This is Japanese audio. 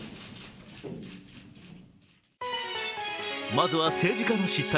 まずは、政治家の失態。